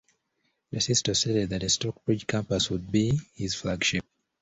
DeSisto stated that the Stockbridge campus would be his "flagship".